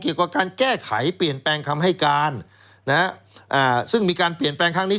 เกี่ยวกับการแก้ไขเปลี่ยนแปลงคำให้การนะฮะซึ่งมีการเปลี่ยนแปลงครั้งนี้